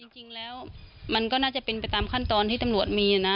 จริงแล้วมันก็น่าจะเป็นไปตามขั้นตอนที่ตำรวจมีนะ